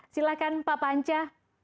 silahkan pak panca